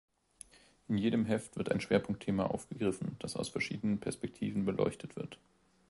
In jedem Heft wird ein Schwerpunktthema aufgegriffen, das aus verschiedenen Perspektiven beleuchtet wird.